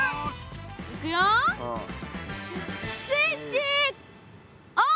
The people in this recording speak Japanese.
いくよスイッチオン！